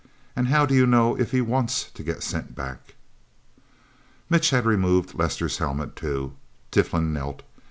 And how do you know if he wants to get sent back?" Mitch had removed Lester's helmet, too. Tiflin knelt.